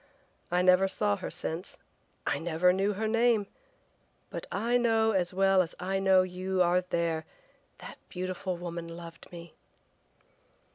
I never saw her since, I never knew her name, but I know as well as I know you are there that beautiful woman loved me!"